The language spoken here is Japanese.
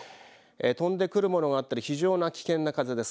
飛んでくるものがあったり非常な危険な風です。